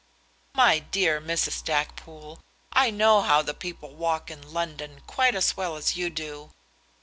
"My dear Mrs. Stackpoole, I know how the people walk in London quite as well as you do."